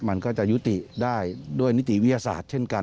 มันก็จะยุติได้ด้วยนิติวิทยาศาสตร์เช่นกัน